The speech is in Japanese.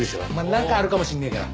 なんかあるかもしれねえから。